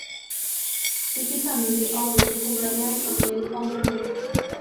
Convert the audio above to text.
Típicamente O'Brien jugaría el papel "hombre recto".